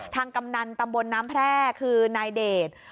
กำนันตำบลน้ำแพร่คือนายเดช